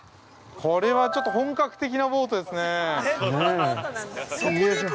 これは、ちょっと本格的なボートですね。